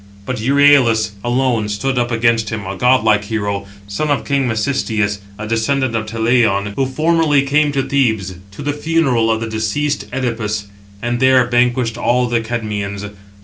But Euryalus alone stood up against him, a godlike hero, son of king Mecisteus, a descendant of Talaïon, who formerly came to Thebes to the funeral of the deceased Œdipus, and there vanquished all the Cadmeans.